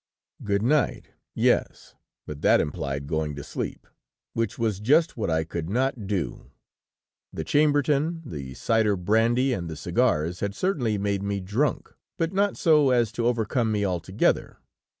"Good night, yes! But that implied going to sleep, which was just what I could not do. The Chambertin, the cider brandy and the cigars had certainly made me drunk, but not so as to overcome me altogether.